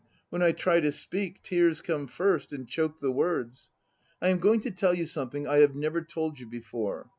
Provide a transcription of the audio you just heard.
When I try to speak, tears come first and choke the words. I am going to tell you something I have never told you before.